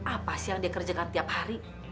apa sih yang dia kerjakan tiap hari